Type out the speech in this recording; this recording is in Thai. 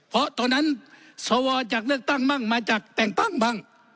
เพราะตอนนั้นสวจากเลือกตั้งบ้างมาจากแต่งตั้งบ้าง